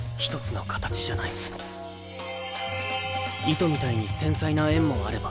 糸みたいに繊細な縁もあれば